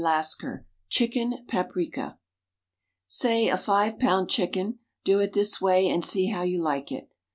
Lasker CHICKEN PAPRIKA Say a five pound chicken — do it this way and see how you like it.